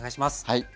はい。